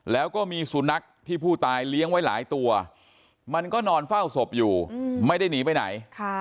แล้วก็มีสุนัขที่ผู้ตายเลี้ยงไว้หลายตัวมันก็นอนเฝ้าศพอยู่ไม่ได้หนีไปไหน